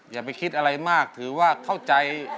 อย่าไปคิดอะไรมากถือว่าเข้าใจ